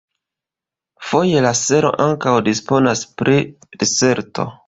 Foje la selo ankaŭ disponas pri risorto.